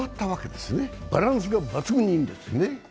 バランスが抜群にいいんですね。